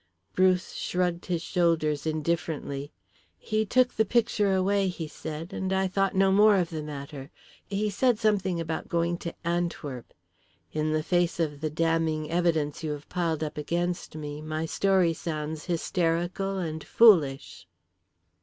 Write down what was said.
Bruce shrugged his shoulders indifferently. "He took the picture away," he said, "and I thought no more of the matter, he said something about going to Antwerp. In the face of the damning evidence you have piled up against me, my story sounds hysterical and foolish."